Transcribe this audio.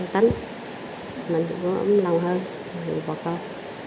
tính mình cũng ấm lòng hơn bà con